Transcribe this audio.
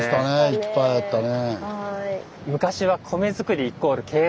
いっぱいあったね。